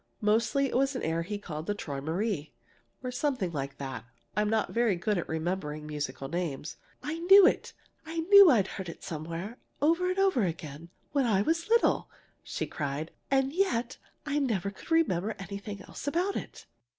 Mostly it was an air he called 'Träumerei,' or something like that. I'm not very good at remembering musical names." "I knew it! I knew I'd heard it somewhere, over and over again, when I was little!" she cried. "And yet I never could remember anything else about it!"